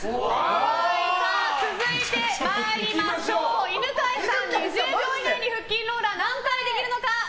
続いて犬飼さん、２０秒以内に腹筋ローラー何回できるのか。